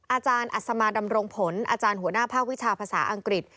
อาจารย์อัศมาดำรงผลอาจารย์หัวหน้าภาควิชาภาษาอังกฤษ